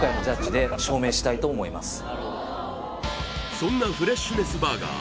そんなフレッシュネスバーガー